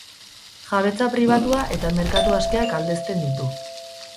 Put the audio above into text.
Jabetza pribatua eta merkatu askeak aldezten ditu.